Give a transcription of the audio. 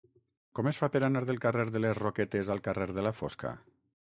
Com es fa per anar del carrer de les Roquetes al carrer de la Fosca?